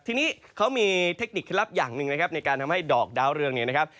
ทีนี้เขามีเทคนิคเคล็ดลับอย่างหนึ่งนะครับในการทำให้ดอกดาวเรืองเนี่ยนะครับ